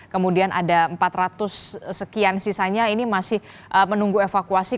kemudian ada empat ratus sekian sisanya ini masih menunggu evakuasi